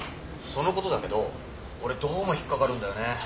その事だけど俺どうも引っかかるんだよね。